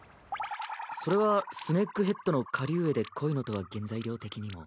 それはスネークヘッドの顆粒餌で鯉のとは原材料的にも。